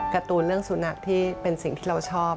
การ์ตูนเรื่องสุนัขที่เป็นสิ่งที่เราชอบ